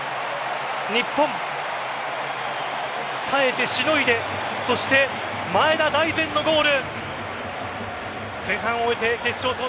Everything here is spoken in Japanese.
日本、耐えてしのいでそして前田大然のゴール。